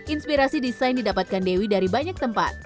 inspirasi desain didapatkan dewi dari banyak tempat